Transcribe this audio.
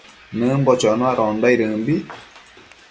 Nëmbo choanondaidëmbi